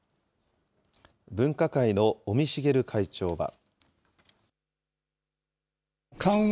分科会の尾身茂会長は。